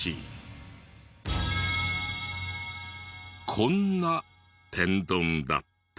こんな天丼だった。